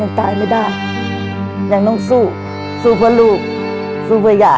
ตายไม่ได้ยังต้องสู้สู้เพื่อลูกสู้เพื่อย่า